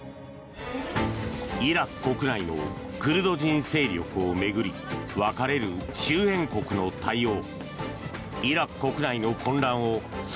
イラク国内のクルド人勢力を巡り分かれる周辺国の対応。